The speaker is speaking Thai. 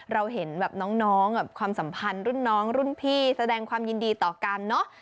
เราเห็นแบบน้องความสัมพันธ์รุ่นน้องรุ่นพี่แสดงความยินดีต่อกันเนอะ